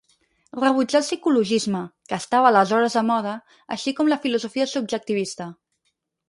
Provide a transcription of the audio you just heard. Rebutjà el psicologisme, que estava aleshores de mode, així com la filosofia subjectivista.